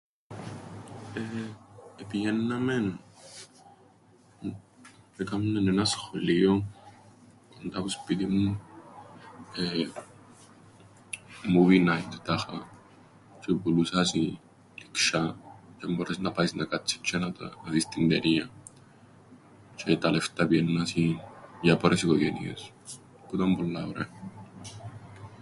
Επηαίνναμεν, έκαμνεν έναν σχολείον κοντά που σπίτιν μου movie night τάχα, τζ̆αι επουλούσασιν λειξ̆ιά τζ̆αι εμπόρες να πάεις να κάτσεις τζ̆αι να δεις την ταινίαν, τζ̆αι τα λεφτά επηαίννασιν για άπορες οικογένειες, που ήταν πολλά ωραία.